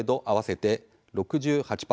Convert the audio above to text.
合わせて６８％。